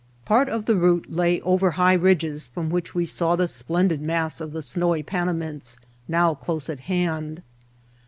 Part of the route lay over high ridges from which we saw the splendid mass of the snowy Panamints, now close at hand.